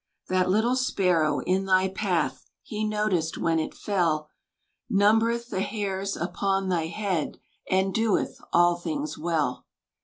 That little sparrow in thy path, He noticed when it fell; Numbereth the hairs upon thy head, And "doeth all things well."